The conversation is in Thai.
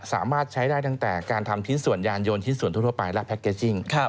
สามารถใช้ได้ตั้งแต่การทำชิ้นส่วนยานยนชิ้นส่วนทั่วไปและแพ็กเกจจิ้ง